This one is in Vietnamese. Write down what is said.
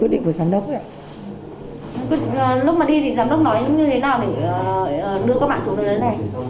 lúc mà đi thì giám đốc nói như thế nào để đưa các bạn xuống nơi này